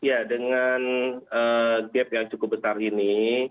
ya dengan gap yang cukup besar ini